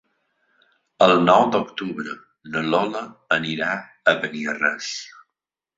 El nou d'octubre na Lola anirà a Beniarrés.